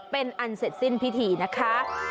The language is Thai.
เป็นอันเสร็จสิ้นพิธีนะคะ